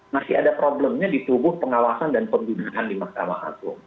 masih ada problemnya di tubuh pengawasan dan pembinaan di mahkamah agung